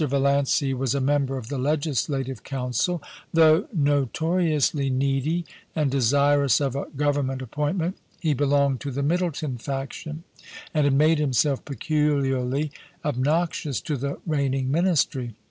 Valiancy was a member of the Legislative Council Though notoriously needy, and desirous of a Government appointment, he belonged to the Middleton faction, and had made himself peculiarly obnoxious to the reigning Ministry.